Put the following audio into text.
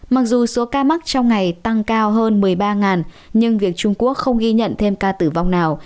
mặc dù số ca mắc trong ngày tăng cao hơn một mươi ba nhưng việc trung quốc không ghi nhận thêm ca tử vong nào